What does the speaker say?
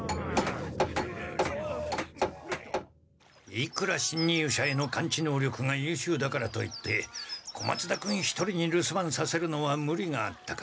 いくらしんにゅう者への感知能力がゆうしゅうだからといって小松田君一人に留守番させるのはムリがあったか。